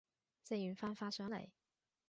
食完飯發上嚟